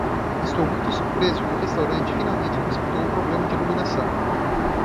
Estou muito surpreso que o restaurante finalmente consertou o problema de iluminação.